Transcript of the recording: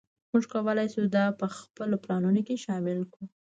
موږ کولی شو دا په خپلو پلانونو کې شامل کړو